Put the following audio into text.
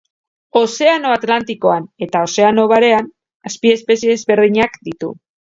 Ozeano Atlantikoan eta Ozeano Barean azpiespezie ezberdinak ditu